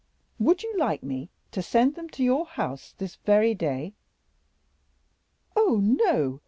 Would you like me to send them to your house this very day?" "Oh, no!"